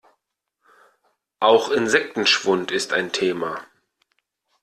Auch Insektenschwund ist ein Thema.